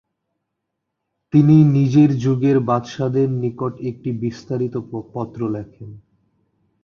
তিনি নিজের যুগের বাদশাহদের নিকট একটি বিস্তারিত পত্র লেখেন।